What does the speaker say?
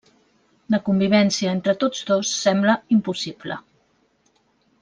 La convivència entre tots dos sembla impossible.